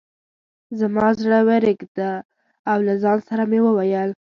زما زړه ورېږده او له ځان سره مې وویل.